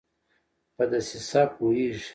په دسیسه پوهیږي